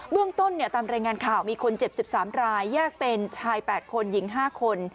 เรื่องต้นตามรายงานข่าวมีคนเจ็บ๑๓รายแยกเป็นชาย๘คนหญิง๕คน